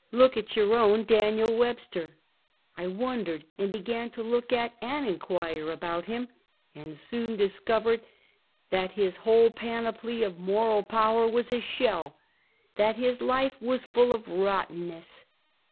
Look at your own Daniel "Webster!" I wondered and began to look at and inquire about him, and soon discovered that his whole panoply of moral power was a shell — that his life was full of rottenness.